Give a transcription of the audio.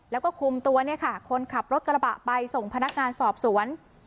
แล้วก็คุมตัวเนี่ยค่ะคนขับรถกระบะไปส่งพนักงานสอบสวน